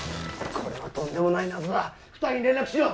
これはとんでもない謎だ２人に連絡しよう